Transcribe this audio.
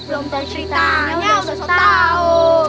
belum tau ceritanya udah sok tau